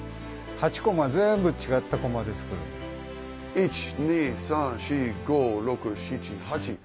１・２・３・４・５・６・７・８。